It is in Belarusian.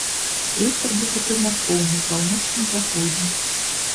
Вецер будзе памяркоўны паўночна-заходні.